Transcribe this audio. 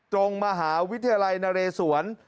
ตรงมหาวิทยาลัยนเรศวร